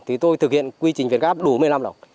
thì tôi thực hiện quy trình việt gáp đủ một mươi năm rồi